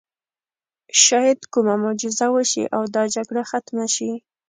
شاید کومه معجزه وشي او دا جګړه ختمه شي